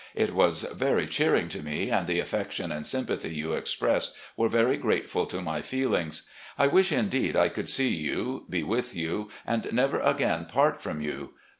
It was very cheer ing to me, and the affection and sympathy you expressed were veiy grateful to my feelings. I wish indeed I could see you, be with you, and never again part from you.